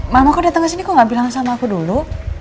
mamaku datang ke sini kok gak bilang sama aku dulu